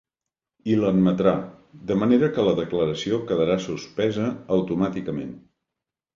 I l’admetrà, de manera que la declaració quedarà suspesa automàticament.